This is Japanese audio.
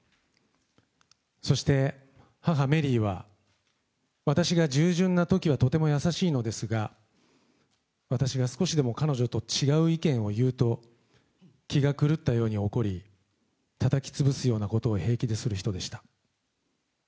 そして母、メリーは、私が従順なときはとても優しいのですが、私が少しでも彼女と違う意見を言うと、気が狂ったように怒り、たたきつぶすようなことを平気でする人でした。